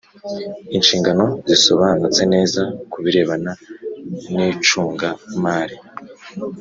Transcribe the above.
inshingano zisobanutse neza ku birebana nicunga mari